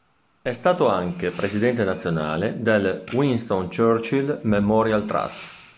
È stato anche Presidente Nazionale del Winston Churchill Memorial Trust.